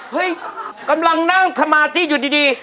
กำลังนั่งสมาธิอยู่ดี